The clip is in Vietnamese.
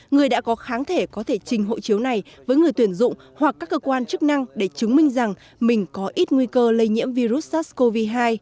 người đã có kháng thể có thể trình hộ chiếu này với người tuyển dụng hoặc các cơ quan chức năng để chứng minh rằng mình có ít nguy cơ lây nhiễm virus sars cov hai